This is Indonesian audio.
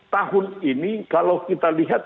tahun ini kalau kita lihat